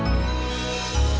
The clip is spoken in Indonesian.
tapi kita boleh hitung